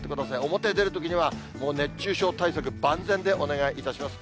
表へ出るときには、熱中症対策万全でお願いいたします。